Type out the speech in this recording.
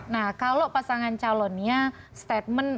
nah kalau pasangan calonnya statement